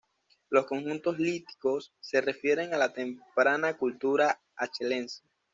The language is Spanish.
Los conjuntos líticos se refieren a la temprana cultura Achelense.